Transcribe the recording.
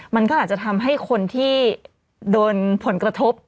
มันก็อาจจะทำให้คนที่โดนผลกระทบ